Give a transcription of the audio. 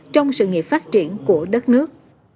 trong sự nghiệp phát triển của đất nước